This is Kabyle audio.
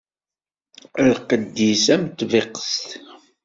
Lqedd-is am tbiqest.